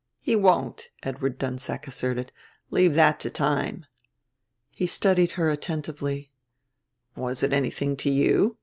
"He won't," Edward Dunsack asserted. "Leave that to time." He studied her attentively. "Was it anything to you?"